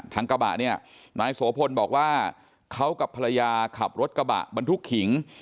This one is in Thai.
กระบะเนี่ยนายโสพลบอกว่าเขากับภรรยาขับรถกระบะบรรทุกขิง